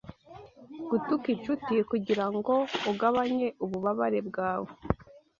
Gutuka inshuti kugirango ugabanye ububabare bwawe